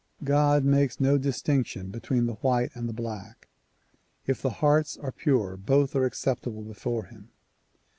God makes no distinction between the white and black. If the hearts are pure both are acceptable before him.